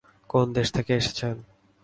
কোন দেশ থেকে এসেছেন?